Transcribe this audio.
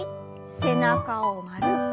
背中を丸く。